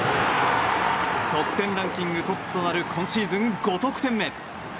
得点ランキングトップとなる今シーズン５得点目。